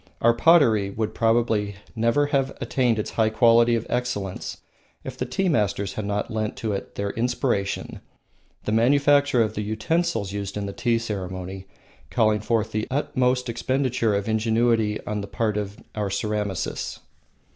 Our pottery would probably never have attained its high quality of excellence if the tea masters had not lent it to their inspiration, the manufacture of the utensils used in the tea ceremony calling forth the utmost expenditure of ingenuity on the parts of our ceramists.